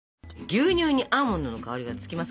牛乳にアーモンドの香りがつきます